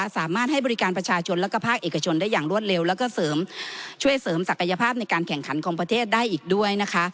สามารถให้บริการประชาชนและภาคเอกชนได้อย่างรวดเร็วแล้วก็เสริมช่วยเสริมศักยภาพในการแข่งขันของประเทศได้อีกด้วยนะคะ